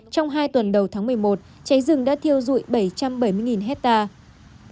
trong hai tuần đầu tháng một mươi một cháy rừng đã thiêu dụi bảy trăm bảy mươi hectare